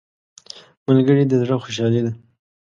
ملګری د زړه خوشحالي ده